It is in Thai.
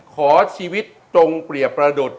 ขอชีวิตจงเปรียบประดุษ